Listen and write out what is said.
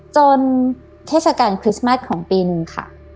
เทศกาลคริสต์มัสของปีนึงค่ะ